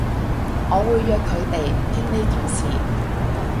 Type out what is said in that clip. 我會約佢哋傾呢件事